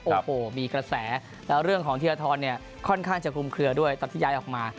โอ้โหมีกระแสแล้วเรื่องของธีรทรเนี่ยค่อนข้างจะคลุมเคลือด้วยตอนที่ย้ายออกมา